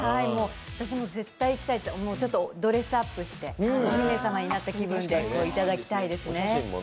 私も絶対行きたいと思う、ドレスアップして、お姫様になった気分で頂きたいですね。